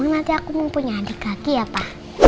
emang nanti aku mau punya adik kaki ya pa